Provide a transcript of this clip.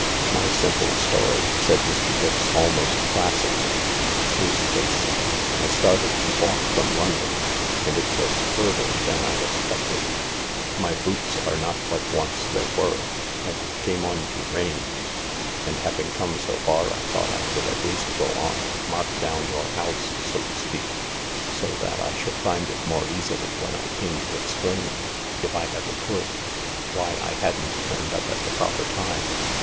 "My simple story," said Mr. Dix, almost placidly, "is this. I started to walk from London, and it was further tljan I expected. My boots are not yrljat once they were ; an<J THE LARK 137 i t came on to rain, and having come so far I thought I would at least go on, and mark down your house, so to speak, so that I should find it more easily when I came to explain, if I ever could, why I hadn't turned up at the proper time.